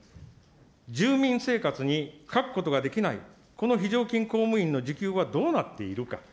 住民生活に欠くことができないこの非常勤公務員の時給はどうなっているか。